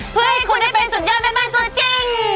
เพื่อให้คุณได้เป็นสุดยอดแม่บ้านตัวจริง